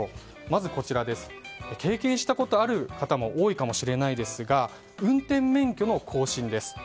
まず、経験したことある方も多いかもしれないですが運転免許の更新です。